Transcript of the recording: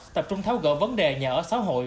tập trung tháo gỡ vấn đề nhà ở xã hội